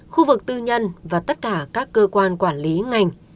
khu vực tư nhân và tất cả các cơ quan quản lý ngành